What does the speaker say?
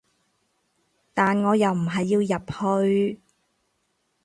但我又唔係要入去